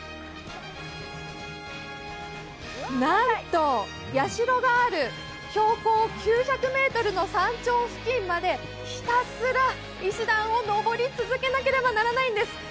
なんと、社がある、標高９００ｍの山頂付近までひたすら石段を上り続けなければならないんです。